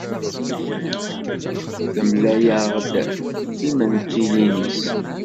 Temlaya-ɣ-d timentilin-is.